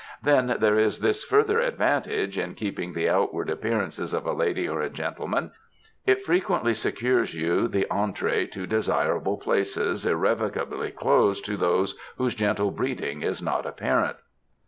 Then there is this further advantage in keeping the outward ap pearance of a lady or a gentleman — it frequently secures you the entree to desirable places irrevoca bly closed to those whose gentle breeding is not apparent.